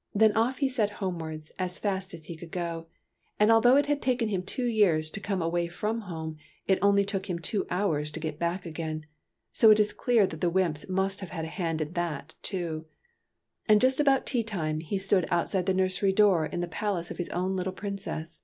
" Then off he set homewards as fast as he could go ; and although it had taken him two years to come away from home, it only took him two hours to get back again, so it is clear TEARS OF PRINCESS PRUNELLA 125 that the wymps must have had a hand in that, too. And just about tea time he stood out side the nursery door in the palace of his own little Princess.